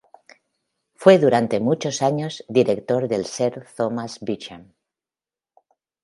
Fue durante muchos años director de Sir Thomas Beecham.